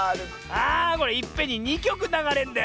あこれいっぺんに２きょくながれんだよね。